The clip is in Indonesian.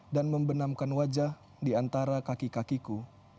dan membenamkan wajah di antara kaki kaki dia